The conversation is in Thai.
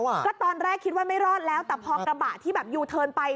ก็ตอนแรกคิดว่าไม่รอดแล้วแต่พอกระบะที่แบบยูเทิร์นไป